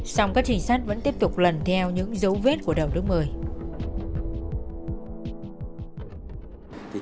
xong các trình sát vẫn tiếp tục lần theo những dấu vết của đầu đứa mới